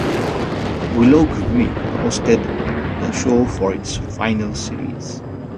Willoughby hosted the show for its final series.